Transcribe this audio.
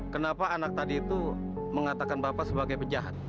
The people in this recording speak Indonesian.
kenapa anak tadi itu mengatakan bapak sebagai penjahat